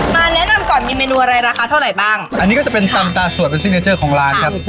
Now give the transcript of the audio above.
แนะนำก่อนมีเมนูอะไรราคาเท่าไหร่บ้างอันนี้ก็จะเป็นตำตาสวดเป็นซิกเนเจอร์ของร้านครับ